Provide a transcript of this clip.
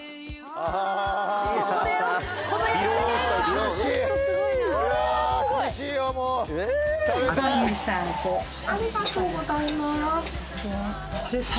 ありがとうございます。